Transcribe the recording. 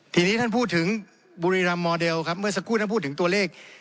ทีนี้ท่านพูดถึงบุรีรำโมเดลครับเมื่อสักครู่นั้นพูดถึงตัวเลข